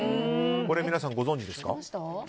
皆さん、ご存じですか？